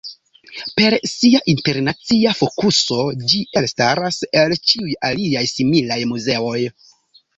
Per sia internacia fokuso ĝi elstaras el ĉiuj aliaj similaj muzeoj.